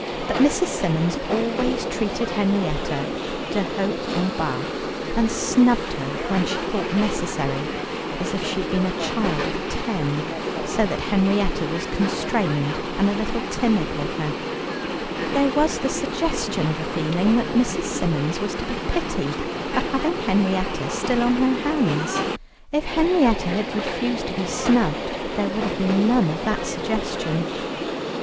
But Mrs. Symons always treated Henrietta de haut en bas, and snubbed her when she thought necessary, as if she had been a child of ten, so that Henrietta was constrained and a little timid with her. There was the suggestion of a feeling that Mrs. Symons was to be pitied for having Henrietta still on her hands. If Henrietta had refused to be snubbed, there would have been none of that suggestion.